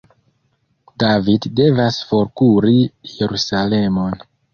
David devas forkuri Jerusalemon.